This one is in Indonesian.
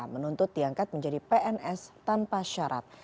menuntut diangkat menjadi pns tanpa syarat